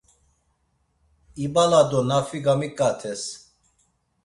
İbala do Nafi gamiǩates.